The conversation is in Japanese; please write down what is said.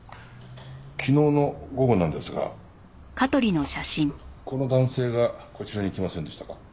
昨日の午後なんですがこの男性がこちらに来ませんでしたか？